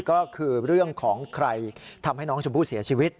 ก็คือเรื่องของใครทำให้น้องชมพู่เสียชีวิต